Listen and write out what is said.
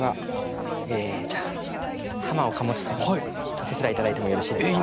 お手伝い頂いてもよろしいですか。